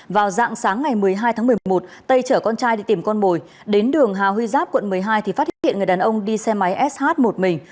vào dạng sáng ngày một mươi hai tháng một mươi một tây chở con trai đi tìm con mồi đến đường hà huy giáp quận một mươi hai thì phát hiện người đàn ông đi xe máy sh một mình